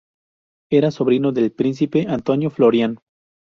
Era sobrino del príncipe Antonio Florián.